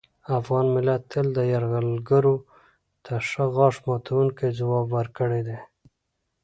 افغان ملت تل یرغلګرو ته غاښ ماتوونکی ځواب ورکړی دی